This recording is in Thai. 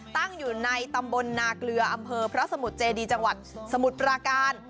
ตั้งอยู่ในตำบลนาเกลืออำเภอพระสมุทรเจดีจังหวัดสมุทรปราการ